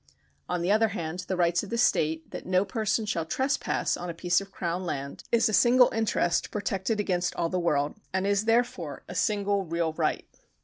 On the other hand, the right of the state that no person shall trespass on a piece of Crown land is a single interest protected against all the world, and is therefore a single real right.